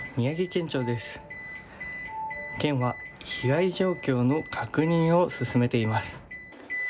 県は被害状況の確認を進めています。